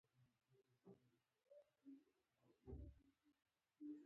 نیکه د ورورولۍ ترویج کوي.